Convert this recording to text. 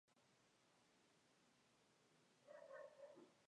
El poema expresa sus ideales liberales y su protesta contra la represión religiosa.